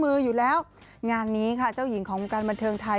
มืออยู่แล้วงานนี้ค่ะเจ้าหญิงของวงการบันเทิงไทย